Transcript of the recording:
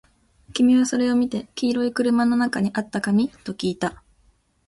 君はそれを見て、黄色い車の中にあった紙？ときいた